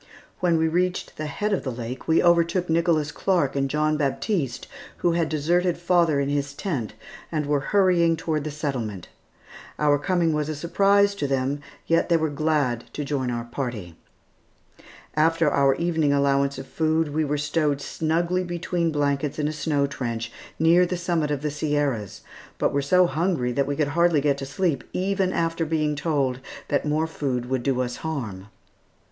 When we reached the head of the lake, we overtook Nicholas Clark and John Baptiste who had deserted father in his tent and were hurrying toward the settlement. Our coming was a surprise to them, yet they were glad to join our party. After our evening allowance of food we were stowed snugly between blankets in a snow trench near the summit of the Sierras, but were so hungry that we could hardly get to sleep, even after being told that more food would do us harm.